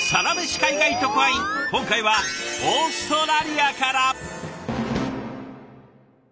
今回はオーストラリアから。